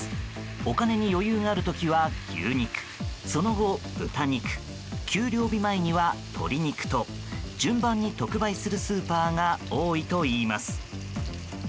お金に余裕がある時は牛肉その後、豚肉給料日前には鶏肉と順番に特売するスーパーが多いといいます。